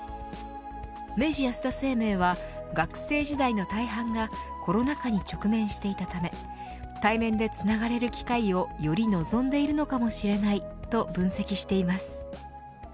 明治安田生命は学生時代の大半がコロナ禍に直面していたため対面でつながれる機会をより望んでいるのかもしれないと分析しています。